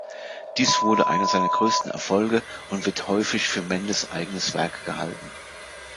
Dies wurde einer seiner größten Erfolge und wird häufig für Mendes' eigenes Werk gehalten.